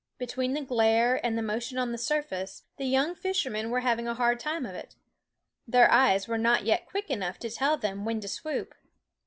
Between the glare and the motion on the surface the young fishermen were having a hard time of it. Their eyes were not yet quick enough to tell them when to swoop.